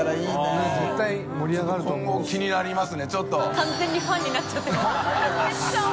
完全にファンになっちゃってもう。